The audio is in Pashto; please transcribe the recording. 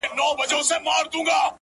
دا ده کوچي ځوانيمرگې نجلۍ تول دی-